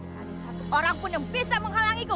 tidak ada satu orang pun yang bisa menghalangiku